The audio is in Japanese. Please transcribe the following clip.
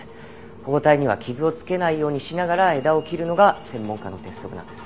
保護帯には傷をつけないようにしながら枝を切るのが専門家の鉄則なんです。